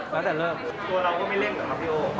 แล้วแต่เริ่ม